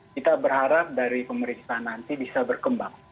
kita berharap dari pemeriksaan nanti bisa berkembang